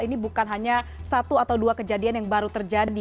ini bukan hanya satu atau dua kejadian yang baru terjadi